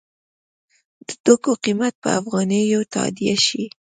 د توکو قیمت په افغانیو تادیه شي.